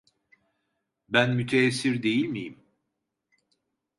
Ben müteessir değil miyim?